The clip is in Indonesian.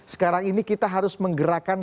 sekarang ini kita harus menggerakkan